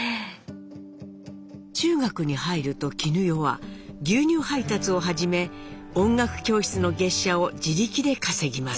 中学に入ると絹代は牛乳配達を始め音楽教室の月謝を自力で稼ぎます。